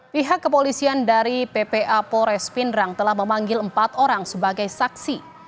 pihak kepolisian dari ppa pores pindrang telah memanggil empat orang sebagai saksi